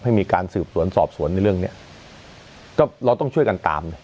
ให้มีการสืบสวนสอบสวนในเรื่องเนี้ยก็เราต้องช่วยกันตาม